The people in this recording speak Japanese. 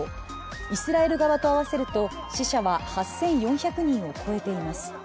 イスラエル側を合わせると死者は８４００人を超えています。